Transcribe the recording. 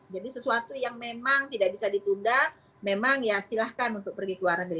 jadi sesuatu yang memang tidak bisa ditunda memang silahkan untuk pergi ke luar negeri